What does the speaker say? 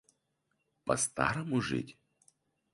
По старому жить?